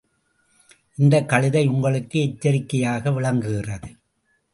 இந்தக் கழுதை உங்களுக்கு எச்சரிக்கையாக விளங்குகிறது.